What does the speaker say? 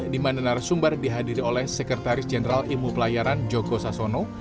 di mana narasumber dihadiri oleh sekretaris jenderal ilmu pelayaran joko sasono